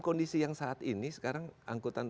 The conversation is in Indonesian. kondisi yang saat ini sekarang angkutan